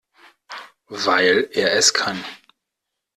Weil er es kann.